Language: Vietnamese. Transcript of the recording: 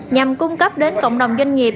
nhằm cung cấp đến cộng đồng doanh nghiệp